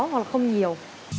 hoặc là không nhiều